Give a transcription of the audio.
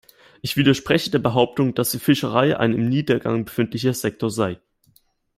Ich widerspreche der Behauptung, dass die Fischerei ein im Niedergang befindlicher Sektor sei.